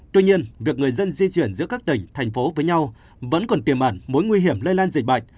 tuy nhiên việc người dân di chuyển giữa các tỉnh thành phố với nhau vẫn còn tiềm ẩn mối nguy hiểm lây lan dịch bệnh